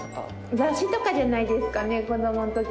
雑誌とかじゃないですかね子供ん時。